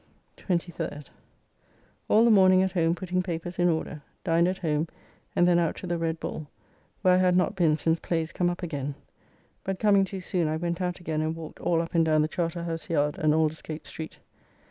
23d. All the morning at home putting papers in order, dined at home, and then out to the Red Bull (where I had not been since plays come up again), but coming too soon I went out again and walked all up and down the Charterhouse yard and Aldersgate street.